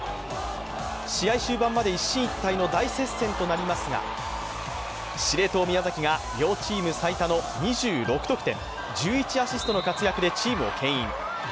試合終盤まで一進一退の大接戦となりますが、司令塔・宮崎が両チーム最多の２６得点１１アシストの活躍でチームを牽引。